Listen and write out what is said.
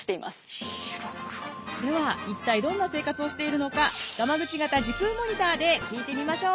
では一体どんな生活をしているのかガマグチ型時空モニターで聞いてみましょう。